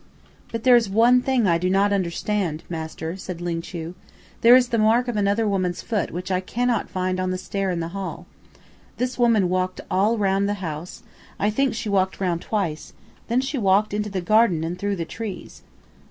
"But there is one thing I do not understand master," said Ling Chu. "There is the mark of another woman's foot which I cannot find on the stair in the hall. This woman walked all round the house; I think she walked round twice; and then she walked into the garden and through the trees."